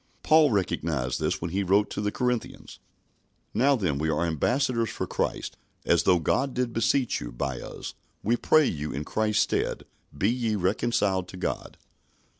Paul recognised this when he wrote to the Corinthians, "Now then we are ambassadors for Christ, as though God did beseech you by us: we pray you in Christ's stead, be ye reconciled to God."